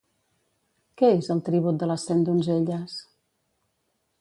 Què és El tribut de les cent donzelles?